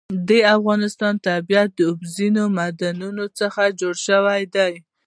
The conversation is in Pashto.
د افغانستان طبیعت له اوبزین معدنونه څخه جوړ شوی دی.